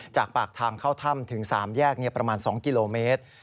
จากปากทางเข้าถ้ำถึง๓แยกประมาณ๒กิโลเมตร